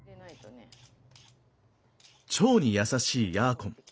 腸に優しいヤーコン。